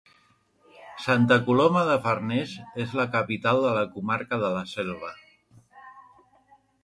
Santa Coloma de Farners és la capital de la comarca de la Selva.